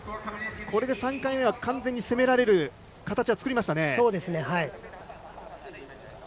これで３回目は完全に攻められる形は作りました。